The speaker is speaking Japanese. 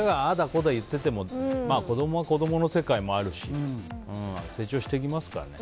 こうだ言ってても子供は子供の世界もあるし成長していきますからね。